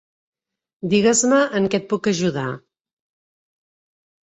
Digues-me en què et puc ajudar.